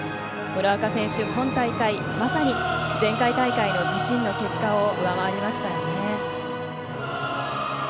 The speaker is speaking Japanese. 村岡選手は今大会、まさに前回大会の自身の結果を上回りましたよね。